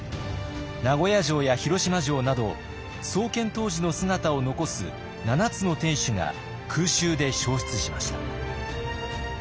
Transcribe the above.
名古屋城や広島城など創建当時の姿を残す７つの天守が空襲で焼失しました。